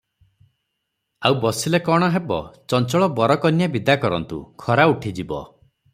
ଆଉ ବସିଲେ କଣ ହେବ, ଚଞ୍ଚଳ ବର କନ୍ୟା ବିଦା କରନ୍ତୁ; ଖରା ଉଠିଯିବ ।"